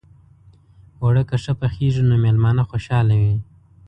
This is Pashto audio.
اوړه که ښه پخېږي، نو میلمانه خوشحاله وي